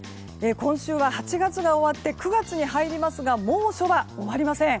今週は８月が終わって９月に入りますが猛暑は終わりません。